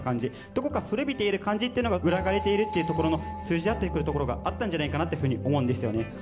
どこか古びている感じっていうのが末枯れているっていうところの通じ合ってくるところがあったんじゃないかなっていうふうに思うんですよね。